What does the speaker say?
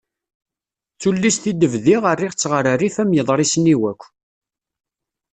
D tullist i d-bdiɣ rriɣ-tt ɣer rrif am yiḍrsen-iw akk.